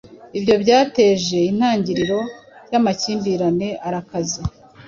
Ibyo byateje intangiriro yamakimbirane arakaze